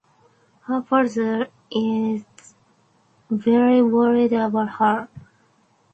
Her father is very worried about her.